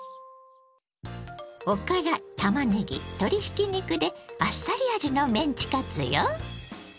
おからたまねぎ鶏ひき肉であっさり味のメンチカツよ。